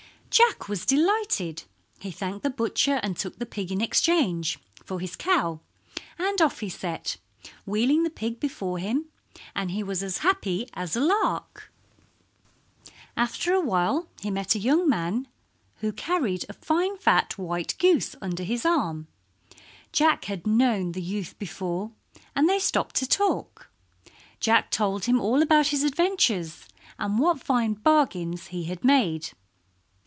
Jack was delighted. He thanked the butcher and took the pig in exchange for his cow, and off he set, wheeling the pig before him, and he was as happy as a lark. After awhile he met a young man who carried a fine fat white goose under his arm. Jack had known the youth before, and they stopped to talk. Jack told him all about his adventures, and what fine bargains he had made.